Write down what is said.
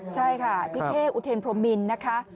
ใช่ค่ะที่เพศอุทธินปรมมินตร์นะคะ